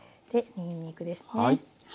にんにくですね。